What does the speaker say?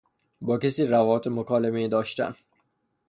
با کسی روابط مکالمهای داشتن